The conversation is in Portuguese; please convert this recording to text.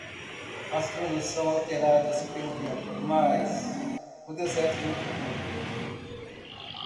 As dunas são alteradas pelo vento?, mas o deserto nunca muda.